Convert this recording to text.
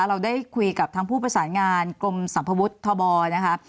เราได้คุยกับทั้งผู้ประสานงานกรมสัมภวุฒิทบนะคะ